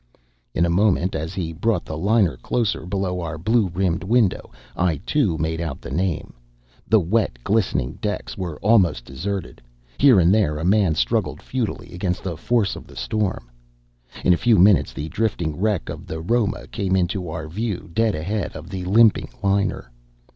In a moment, as he brought the liner closer below our blue rimmed window, I, too, made out the name. The wet, glistening decks were almost deserted. Here and there a man struggled futilely against the force of the storm. In a few minutes the drifting wreck of the Roma came into our view, dead ahead of the limping liner.